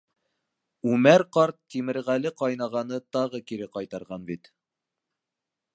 Үмәр ҡарт Тимерғәле ҡайнағаны тағы кире ҡайтарған бит.